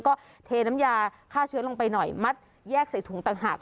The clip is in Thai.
ก็เทน้ำยาฆ่าเชื้อลงไปหน่อยมัดแยกใส่ถุงต่างหาก